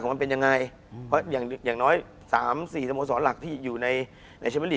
คุณผู้ชมบางท่าอาจจะไม่เข้าใจที่พิเตียร์สาร